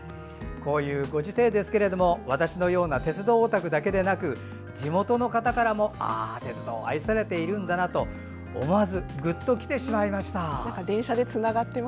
こういうご時勢ですけれども私のような鉄道オタクだけでなく地元の方からもああ、鉄道愛されているんだなと思わずぐっときてしまいました。